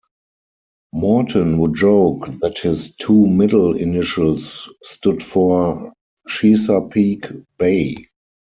Morton would joke that his two middle initials stood for Chesapeake Bay.